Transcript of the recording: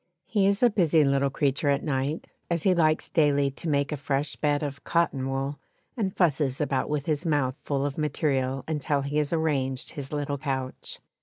He is a busy little creature at night, as he likes daily to make a fresh bed of cotton wool, and fusses about with his mouth full of material until he has arranged his little couch.